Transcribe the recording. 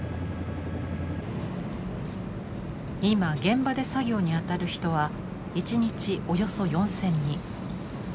今現場で作業に当たる人は一日およそ４，０００人。